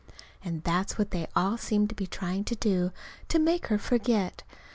And that's what they all seem to be trying to do to make her forget.